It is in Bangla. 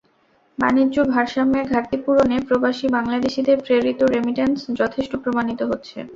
বাণিজ্য ভারসাম্যের ঘাটতি পূরণে প্রবাসী বাংলাদেশিদের প্রেরিত রেমিট্যান্স যথেষ্ট প্রমাণিত হচ্ছে।